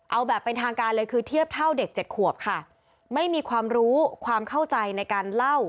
เอาแบบเป็นทางการเลยคือเทียบเท่าเด็กเจ็ดขวบค่ะไม่มีความรู้ความเข้าใจในการเล่า